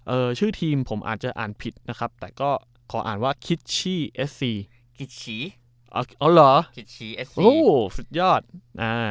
ชื่อทีมผมอาจจะอ่านผิดนะครับแต่ก็ขออ่านว่าคิชชี่เอฟซีคิดฉีอ๋ออ๋อเหรอคิชฉีเอสซีโอ้สุดยอดอ่า